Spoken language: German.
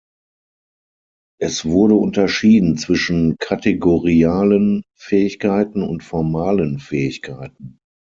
Es wurde unterschieden zwischen kategorialen Fähigkeiten und formalen Fähigkeiten.